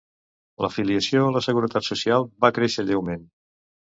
L'afiliació a la Seguretat Social va créixer lleument.